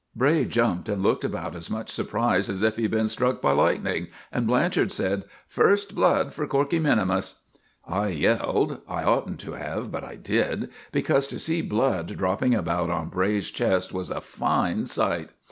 Bray jumped and looked about as much surprised as if he'd been struck by lightning; and Blanchard said: "First blood for Corkey minimus!" I yelled I oughtn't to have, but I did because to see blood dropping about on Bray's chest was a fine sight.